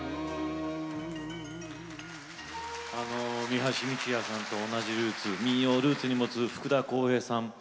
三橋美智也さんと同じルーツ民謡をルーツに持つ福田こうへいさん。